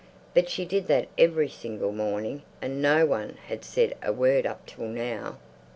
But she did that every single morning, and no one had said a word up till now.